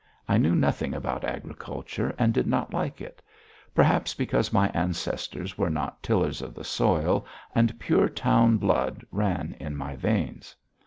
I knew nothing about agriculture and did not like it; perhaps because my ancestors were not tillers of the soil and pure town blood ran in my veins.